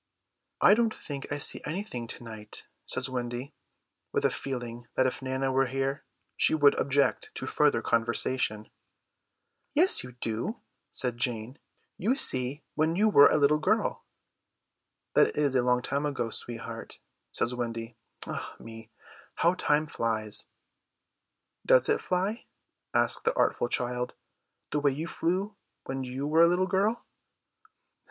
"I don't think I see anything to night," says Wendy, with a feeling that if Nana were here she would object to further conversation. "Yes, you do," says Jane, "you see when you were a little girl." "That is a long time ago, sweetheart," says Wendy. "Ah me, how time flies!" "Does it fly," asks the artful child, "the way you flew when you were a little girl?"